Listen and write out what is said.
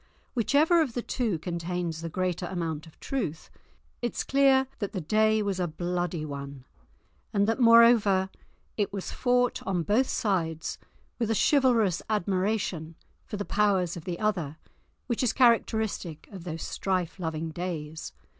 Whichever of the two contains the greater amount of truth, it is clear that the day was a bloody one, and that, moreover, it was fought on both sides with a chivalrous admiration for the powers of the other which is characteristic of those strife loving days.